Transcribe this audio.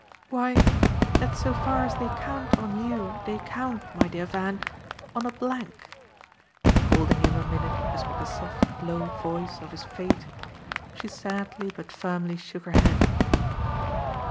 "Why that so far as they count on you they count, my dear Van, on a blank." Holding him a minute as with the soft low voice of his fate, she sadly but firmly shook her head.